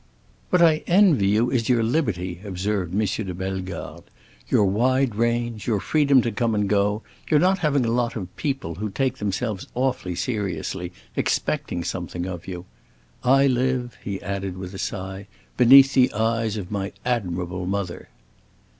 "What I envy you is your liberty," observed M. de Bellegarde, "your wide range, your freedom to come and go, your not having a lot of people, who take themselves awfully seriously, expecting something of you. I live," he added with a sigh, "beneath the eyes of my admirable mother."